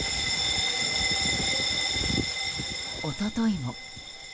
一昨日も。